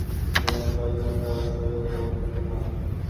তা যদি পারিত, গাওদিয়ার উত্তেজনাহীন সহজ জীবন তাহার অসহ্য হইয়া উঠিত না।